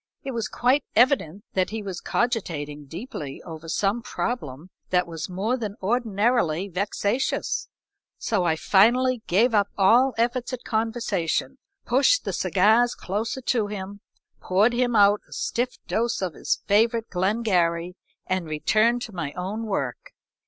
It was quite evident that he was cogitating deeply over some problem that was more than ordinarily vexatious, so I finally gave up all efforts at conversation, pushed the cigars closer to him, poured him out a stiff dose of his favorite Glengarry, and returned to my own work.